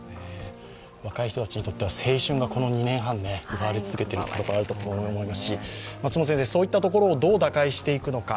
若い人たちにとっては先週がこの２年半奪われ続けているところがあると思いますし、そういったところをどう打開していくのか。